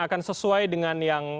akan sesuai dengan yang